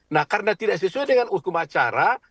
nah karena tidak sesuai dengan hukum acara